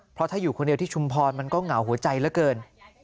เพราะถ้าอยู่คนเดียวที่ชุมพรมันก็เหงาหัวใจเหลือเกิน